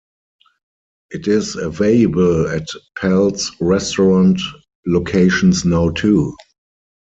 It is available at Pal's restaurant locations now too.